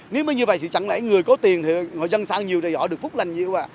nếu như vậy thì chẳng lẽ người có tiền thì dân sao nhiều thì họ được phúc lành nhiều à